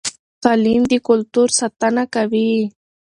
تعلیم د کلتور ساتنه کوي.